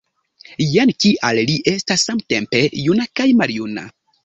Jen kial li estas samtempe juna kaj maljuna.